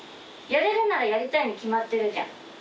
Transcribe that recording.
やれるならやりたいに決まってるじゃん。